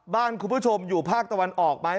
บ้านคุณผู้ชมอยู่ภาคตะวันออกไหม